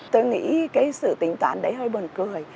tôi nghĩ cái sự tình toán đấy hơi buồn cười